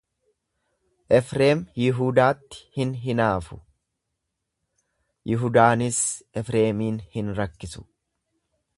Efreem Yihudaatti hin hinaafu, Yihudaanis Efreemiin hin rakkisu.